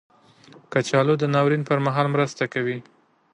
کچالو د ناورین پر مهال مرسته کوي